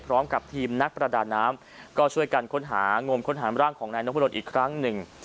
พร้อมกับทีมนักประดาน้ำก็ช่วยกันค้นหางมค้นหาร่างของนายนพดลอีกครั้งหนึ่ง